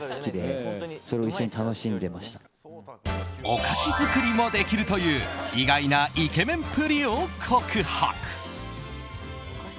お菓子作りもできるという意外なイケメンっぷりを告白。